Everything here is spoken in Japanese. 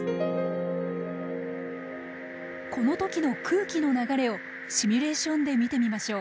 この時の空気の流れをシミュレーションで見てみましょう。